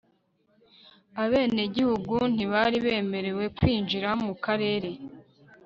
abenegihugu ntibari bemerewe kwinjira mu karere